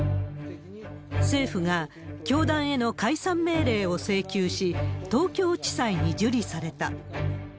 政府が教団への解散命令を請求し、東京地裁に受理された。